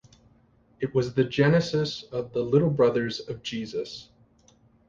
It was the genesis of the Little Brothers of Jesus.